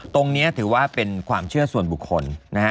ตรงนี้ถือว่าเป็นความเชื่อส่วนบุคคลนะฮะ